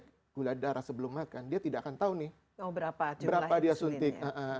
kalau gula darah sebelum makan dia tidak akan tahu nih berapa dia suntik